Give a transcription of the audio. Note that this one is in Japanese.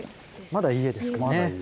まだ家ですかね。